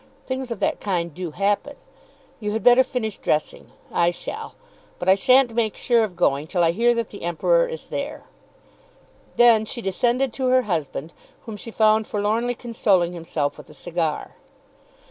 Things of that kind do happen. You had better finish dressing. I shall. But I shan't make sure of going till I hear that the Emperor is there." Then she descended to her husband, whom she found forlornly consoling himself with a cigar.